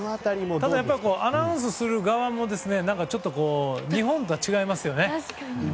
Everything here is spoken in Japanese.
ただ、アナウンスする側もちょっと日本とは違いますよね。